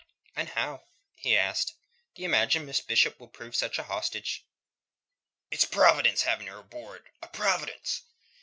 "And how," he asked, "do you imagine that Miss Bishop will prove such a hostage?" "It's a providence having her aboard; a providence.